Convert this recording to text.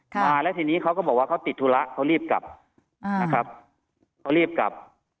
มาแล้วทีนี้เขาก็บอกว่าเขาติดธุระเขารีบกลับอ่านะครับเขารีบกลับ